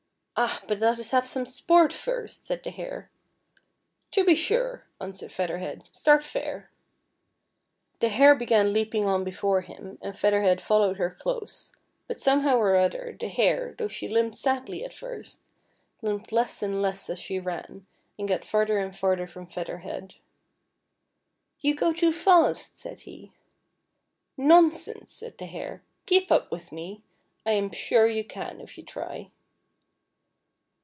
" Ah ! but let us have some sport first," said the Hare. " To be sure," answered Feather Head. *' Start fair." The Hare began leaping on before him, and Feather Head followed her close, but somehow or other, the Hare, though she limped sadly at first, limped less and less as she ran, and got farther and farther from Featlier Head. " You go too fast," said he. "Nonsense," said the Hare; "keep up with me. I am sure you can if you try."